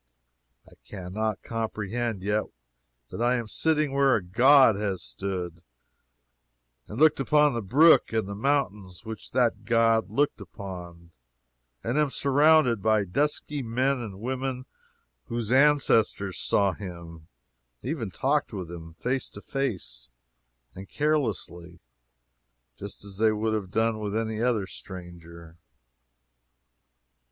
I can not comprehend yet that I am sitting where a god has stood, and looking upon the brook and the mountains which that god looked upon, and am surrounded by dusky men and women whose ancestors saw him, and even talked with him, face to face, and carelessly, just as they would have done with any other stranger.